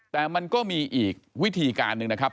แต่มันก็มีอีกวิธีการหนึ่งนะครับ